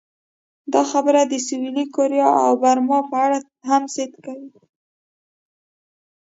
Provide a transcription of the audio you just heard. دا خبره د سویلي کوریا او برما په اړه هم صدق کوي.